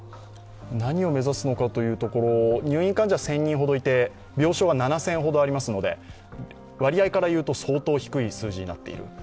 何を目指すのかというところ、入院患者が１０００人ほどいて病床は７０００ほどありますので、割合からいうと相当低い数字になっている。